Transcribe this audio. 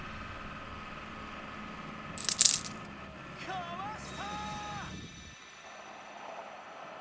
かわした！